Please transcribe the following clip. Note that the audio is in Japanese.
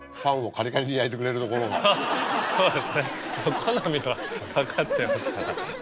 好みが分かってますから。